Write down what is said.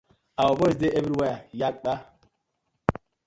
Our boyz dey everywhere yakpa.